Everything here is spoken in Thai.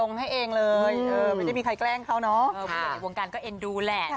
เขาเต็มใจลงให้เองเลย